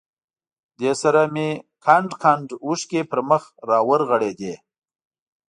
دې سره مې کنډ کنډ اوښکې پر مخ را ورغړېدې.